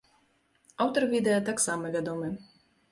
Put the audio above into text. Аўтар відэа таксама вядомы.